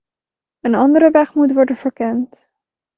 Een andere weg moet worden verkend.